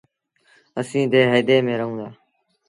اسيٚݩ ديه هئيدي ميݩ رهوݩ دآ